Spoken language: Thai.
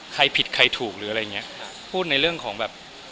ใครผิดใครถูกหรืออะไรอย่างเงี้ยพูดในเรื่องของแบบ